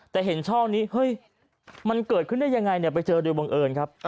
แต่เห็นช่องนี้เฮ้ยมันเกิดขึ้นได้ยังไงเนี่ยไปเจอโดยบังเอิญครับ